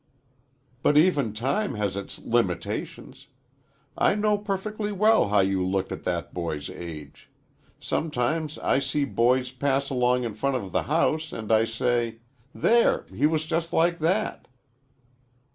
"But even time has its limitations. I know perfectly well how you looked at that boy's age. Sometimes I see boys pass along in front of the house, and I say: 'There, he was just like that!'"